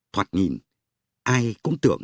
thoạt nhìn ai cũng tưởng